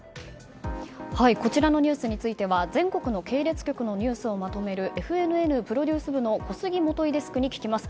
こちらのニュースについては全国の系列局のニュースをまとめるＦＮＮプロデュース部の小杉基デスクに聞きます。